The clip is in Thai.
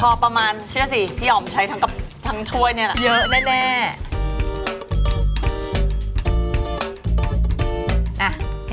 เยอะแน่